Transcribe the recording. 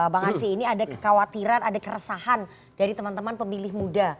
bang ansy ini ada kekhawatiran ada keresahan dari teman teman pemilih muda